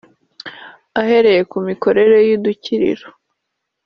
ahereye ku mikorere y’udukiriro